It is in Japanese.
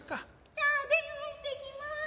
じゃあ電話してきます！